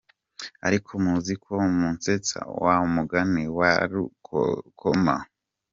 Ariko muzi ko musetsa wamugani wa rukokoma!